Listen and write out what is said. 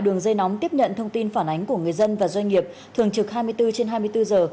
đường dây nóng tiếp nhận thông tin phản ánh của người dân và doanh nghiệp thường trực hai mươi bốn trên hai mươi bốn giờ